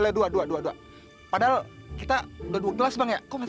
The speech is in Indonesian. eh nggak tau nggak tau